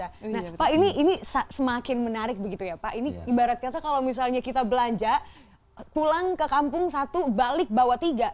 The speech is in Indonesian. nah pak ini semakin menarik begitu ya pak ini ibarat kata kalau misalnya kita belanja pulang ke kampung satu balik bawa tiga